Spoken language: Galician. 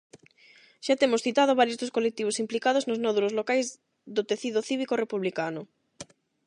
Xa temos citado varios dos colectivos implicados nos nódulos locais do tecido cívico-republicano.